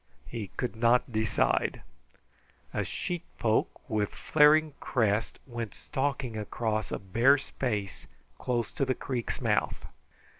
He could not decide. A sheitpoke, with flaring crest, went stalking across a bare space close to the creek's mouth.